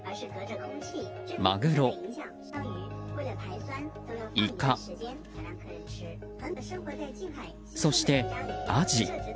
マグロ、イカ、そしてアジ。